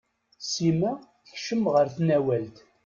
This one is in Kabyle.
Sima tekcem ɣer tnawalt.